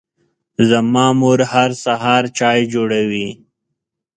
زما مور هر سهار چای جوړوي.